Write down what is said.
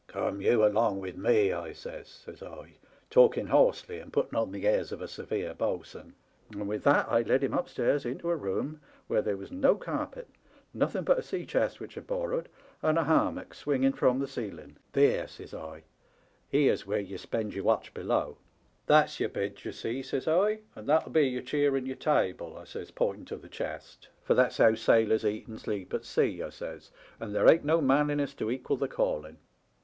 Come you along with me,* I says, says I, talking hoarsely and putting on the airs of a severe bo'sun ; and with that I led him upstairs into a room where there was no carpet, nothen but a sea chest which I'd borrowed, and a hammock swinging from the ceiling. There,' says I, * here's where ye spend your watch ^'TBAT TBEBE LITTLE TOMMY:* 275 below. That's your bed, d'ye see,' says I, * and that'll be j'our cheer and your table,' I says, pointing to the chest, 'for that's how sailors eat and sleep at sea,' I says^ ' and there ain't no manliness to equal the calling.'